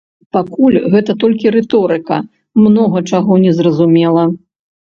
Пакуль гэта толькі рыторыка, многа чаго незразумела.